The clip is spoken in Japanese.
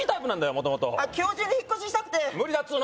元々今日中に引っ越ししたくて無理だっつうの！